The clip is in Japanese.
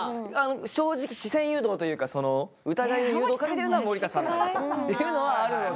正直視線誘導というかその疑いの誘導をかけてるのは森田さんだなというのはあるので。